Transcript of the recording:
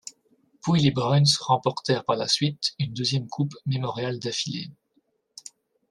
Puis les Bruins remportèrent par la suite une deuxième Coupe Memorial d'affilée.